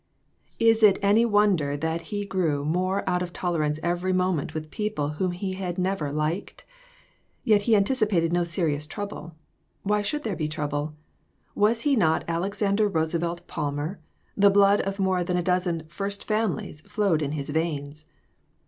Is it any wonder that he grew more out of tolerance every moment with people whom he had never liked ? Yet he anticipated no serious trouble. Why should there be trouble? Was he not Alexander Roosevelt Palmer ? The blood of more than a dozen "first families" flowed in his veins.